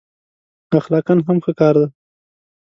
اخلاقأ هم ښه کار دی.